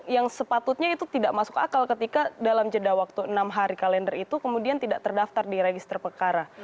yang sepatutnya itu tidak masuk akal ketika dalam jeda waktu enam hari kalender itu kemudian tidak terdaftar di register perkara